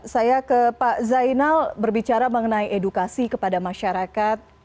saya ke pak zainal berbicara mengenai edukasi kepada masyarakat